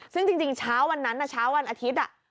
ซึ่งจริงเช้าวันนั้นเช้าวันอาทิตย์